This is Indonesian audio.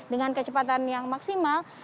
dengan kecepatan yang maksimal